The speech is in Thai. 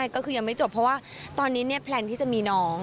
ก็คือยังไม่จบเพราะว่าตอนนี้แพลนที่จะมีน้อง